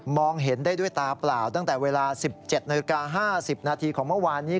เห็นได้ด้วยตาเปล่าตั้งแต่เวลา๑๗นาฬิกา๕๐นาทีของเมื่อวานนี้